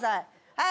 はい。